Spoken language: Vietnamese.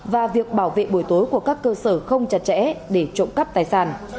và việc bảo vệ buổi tối của các cơ sở không chặt chẽ để trụng cấp tài sản